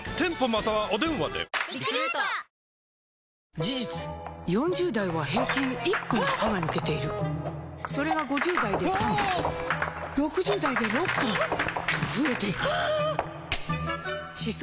事実４０代は平均１本歯が抜けているそれが５０代で３本６０代で６本と増えていく歯槽